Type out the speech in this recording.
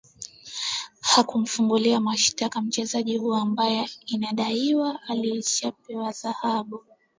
hakumfungulia mashtaka mchezaji huyo ambaye inadaiwa alishapewa adhabu